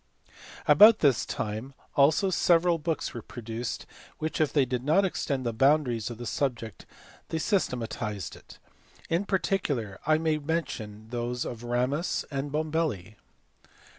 About this time also several text books were produced which if they did not extend the boundaries of the subject systematized it. In particular I may mention those of Ramus and Bombelli.